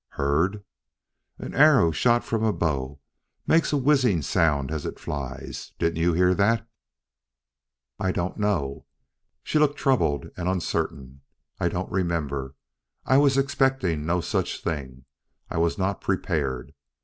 "Heard?" "An arrow shot from a bow makes a whizzing sound as it flies. Didn't you hear that?" "I don't know." She looked troubled and uncertain. "I don't remember. I was expecting no such thing I was not prepared.